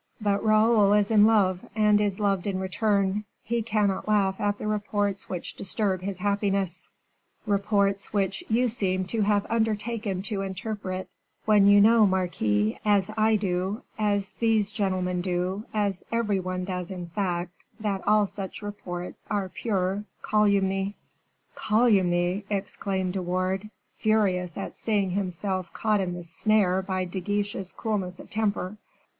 But Raoul is in love, and is loved in return; he cannot laugh at the reports which disturb his happiness reports which you seem to have undertaken to interpret, when you know, marquis, as I do, as these gentlemen do, as every one does in fact, that all such reports are pure calumny." "Calumny!" exclaimed De Wardes, furious at seeing himself caught in the snare by De Guiche's coolness of temper.